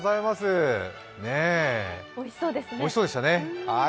おいしそうでしたね。